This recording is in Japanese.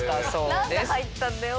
なんで入ったんだよ。